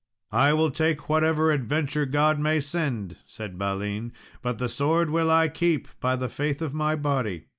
"I will take whatever adventure God may send," said Balin; "but the sword will I keep, by the faith of my body."